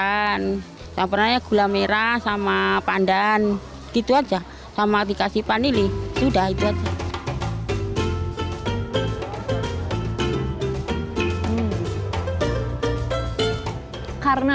kan tak pernah ya gula merah sama pandan gitu aja sama dikasih panili sudah itu aja karena